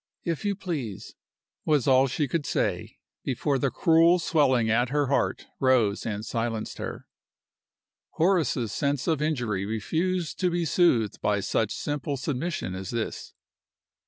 "If you please," was all she could say, before the cruel swelling at her heart rose and silenced her. Horace's sense of injury refused to be soothed by such simple submission as this.